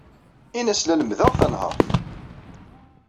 Ini-as la lemmdeɣ tanhaṛt.